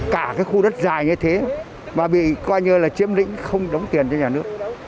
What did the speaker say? cả cái khu đất dài như thế và bị coi như là chiếm lĩnh không đóng tiền cho nhà nước